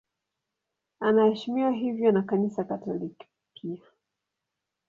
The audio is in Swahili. Anaheshimiwa hivyo na Kanisa Katoliki pia.